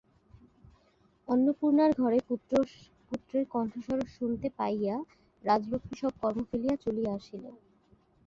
অন্নপূর্ণার ঘরে পুত্রের কণ্ঠস্বর শুনিতে পাইয়া রাজলক্ষ্মী সব কর্ম ফেলিয়া চলিয়া আসিলেন।